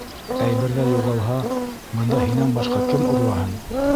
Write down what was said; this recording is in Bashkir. Әйберҙәр юғалһа, бында һинән башҡа кем урлаһын?